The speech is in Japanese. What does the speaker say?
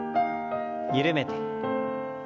緩めて。